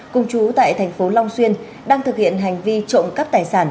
cùng chú tại tp long xuyên đang thực hiện hành vi trộm cắp tài sản